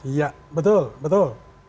iya betul betul